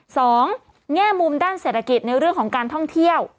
แง่มุมด้านเศรษฐกิจในเรื่องของการท่องเที่ยว